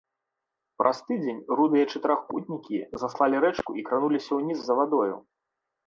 Праз тыдзень рудыя чатырохкутнікі заслалі рэчку і крануліся ўніз за вадою.